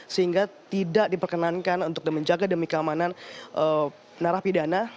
sehingga tidak diperkenankan untuk menjaga demi keamanan narapidana